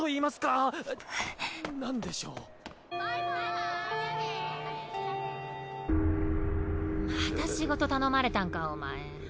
また仕事頼まれたんかお前。